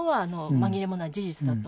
紛れもない事実だと。